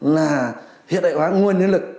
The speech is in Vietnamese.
là hiện đại hóa nguồn nhân lực